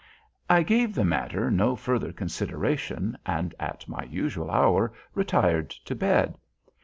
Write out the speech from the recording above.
I gave the matter no further consideration, and at my usual hour retired to bed.